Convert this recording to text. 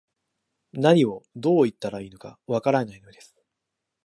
何を、どう言ったらいいのか、わからないのです